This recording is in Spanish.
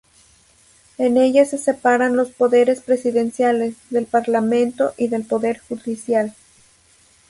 En ella se separan los poderes presidenciales, del Parlamento y del poder judicial.